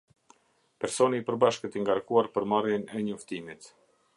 Personi i përbashkët i ngarkuar për marrjen e njoftimit.